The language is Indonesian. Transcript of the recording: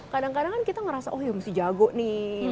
kadang kadang kan kita ngerasa oh ya mesti jago nih